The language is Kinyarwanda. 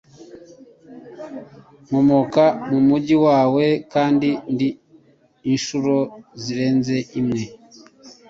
Nkomoka mu mujyi wawe kandi ni inshuro zirenze imwe